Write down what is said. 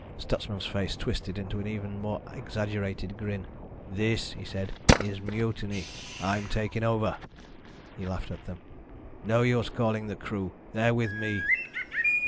Stutsman's face twisted into an even more exaggerated grin. "This," he said, "is mutiny. I'm taking over!" He laughed at them. "No use calling the crew. They're with me."